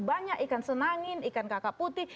banyak ikan senangin ikan kakak putih